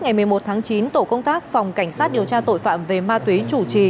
ngày một mươi một tháng chín tổ công tác phòng cảnh sát điều tra tội phạm về ma túy chủ trì